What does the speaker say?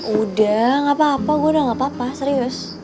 udah gak apa apa gue udah gak apa apa serius